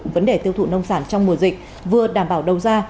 vấn đề tiêu thụ nông sản trong mùa dịch vừa đảm bảo đầu ra